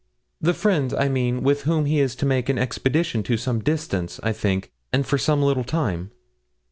'The friend, I mean, with whom he is to make an expedition to some distance, I think, and for some little time?'